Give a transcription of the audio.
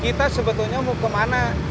kita sebetulnya mau ke mana